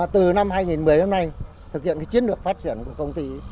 từ năm hai nghìn một mươi đến nay thực hiện chiến lược phát triển của công ty